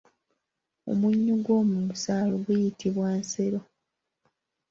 Omunnyu gwomu lusaalu guyitibwa Nsero.